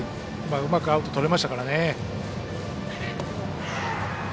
うまくアウトをとれましたのでね。